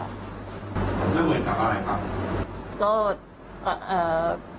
ไม่เหมือนกับอะไรค่ะ